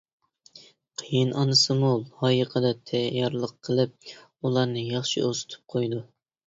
قېيىنئانىسىمۇ لايىقىدا تەييارلىق قىلىپ، ئۇلارنى ياخشى ئۇزىتىپ قويىدۇ.